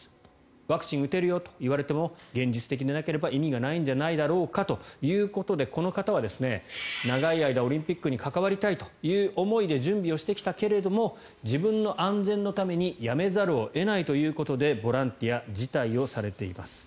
ワクチンを打てるよと言われても現実的でなければ意味がないんじゃないだろうかということでこの方は長い間、オリンピックに関わりたいという思いで準備をしてきたけれども自分の安全のために辞めざるを得ないということでボランティア辞退をされています。